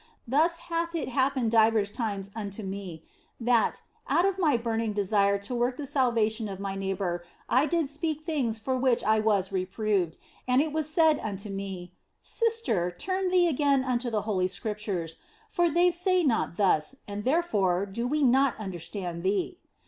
Thus hath it hap pened divers times unto me, that, out of my burning desire to work the salvation of my neighbour, I did speak things for the which I was reproved, and it was said unto me, " Sister, turn thee again unto the Holy Scriptures, for they say not thus, and therefore do we not understand thee."